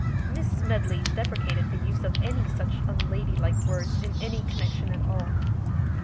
Miss Smedley deprecated the use of any such unladylike words in any connection at all.